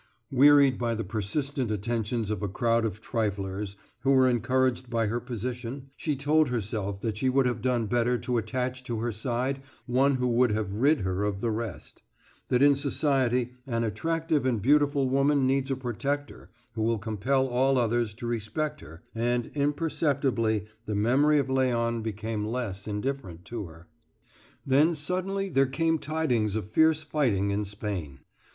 Wearied by the persistent attentions of a crowd of triflers, who were encouraged by her position, she told herself that she would have done better to attach to her side one who would have rid her of the rest; that in society an attractive and beautiful woman needs a protector who will compel all others to respect her; and imperceptibly, the memory of Léon became less indifferent to her. Then, suddenly, there came tidings of fierce fighting in Spain.